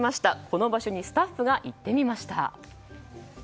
この場所にスタッフが行きました。